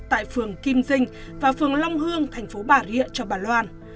tại phường kim dinh và phường long hương thành phố bà rịa cho bà loan